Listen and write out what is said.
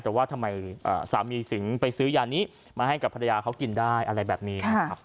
แต่ว่าทำไมสามีถึงไปซื้อยานี้มาให้กับภรรยาเขากินได้อะไรแบบนี้นะครับ